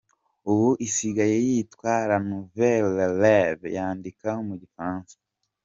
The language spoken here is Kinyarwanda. Ubu isigaye yitwa « La Nouvelle Relève » cyandika mu Gifaransa.